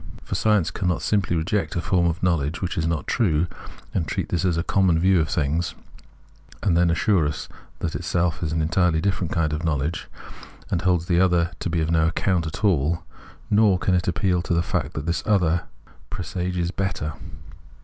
For, science cannot simply reject a form of knowledge which is not true, and treat this as a common view of things, and then assure us that itself is an entirely different kind of knowledge, and holds the other to be of no accoimt at all ; nor can it appeal to the fact that in this other there are presages of a better.